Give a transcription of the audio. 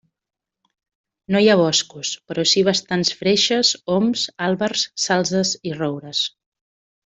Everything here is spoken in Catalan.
No hi ha boscos, però sí bastants freixes, oms, àlbers, salzes i roures.